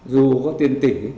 dù có tiền tỷ